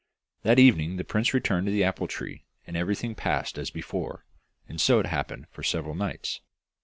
That evening the prince returned to the apple tree, and everything passed as before, and so it happened for several nights.